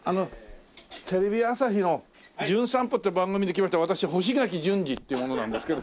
テレビ朝日の『じゅん散歩』って番組で来ました私干し柿純次っていう者なんですけど。